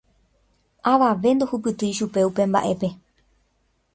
Avave ndohupytýi chupe upe mbaʼépe.